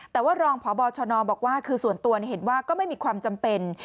แต่ว่ารองพบชนบอกว่าคือส่วนตัวเห็นว่าก็ไม่มีความจำเป็น